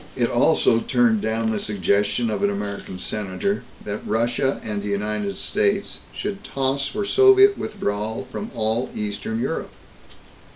It also turned down the suggestion of an American senator that Russia and the United States should toss for Soviet withdrawal from all Eastern Europe.